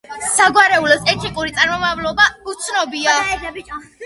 საგვარეულოს ეთნიკური წარმომავლობა უცნობია.